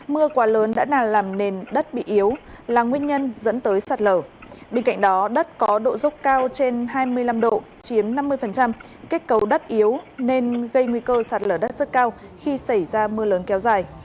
mưa quá lớn đã làm nền đất bị yếu là nguyên nhân dẫn tới sạt lở bên cạnh đó đất có độ dốc cao trên hai mươi năm độ chiếm năm mươi kết cấu đất yếu nên gây nguy cơ sạt lở đất rất cao khi xảy ra mưa lớn kéo dài